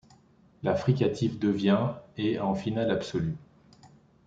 La fricative devient et en finale absolue.